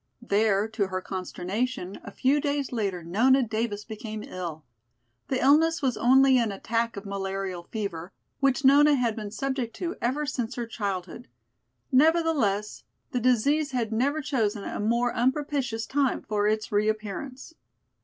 There, to her consternation, a few days later Nona Davis became ill. The illness was only an attack of malarial fever, which Nona had been subject to ever since her childhood; nevertheless, the disease had never chosen a more unpropitious time for its reappearance.